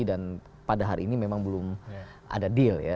dan pada hari ini memang belum ada deal ya